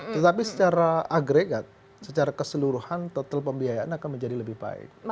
tetapi secara agregat secara keseluruhan total pembiayaan akan menjadi lebih baik